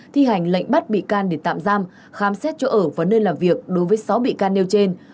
thi hành lệnh bắt bị can để tạm giam khám xét chỗ ở và nơi làm việc đối với sáu bị can nêu trên